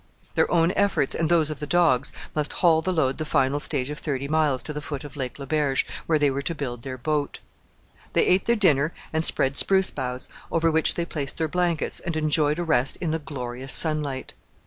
Their own efforts, and those of the dogs, must haul the load the final stage of thirty miles to the foot of Lake Le Berge, where they were to build their boat. They ate their dinner and spread spruce boughs, over which they placed their blankets, and enjoyed a rest in the glorious sunlight.